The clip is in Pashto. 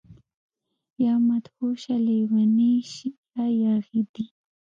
يا مدهوشه، لیونۍ شي يا ياغي دي